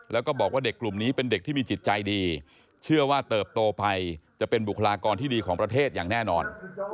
แล้วก็บอกว่าเด็กกลุ่มนี้เป็นเด็กที่มีจิตใจดีเชื่อว่าเติบโตไปจะเป็นบุคลากรที่ดีของประเทศอย่างแน่นอน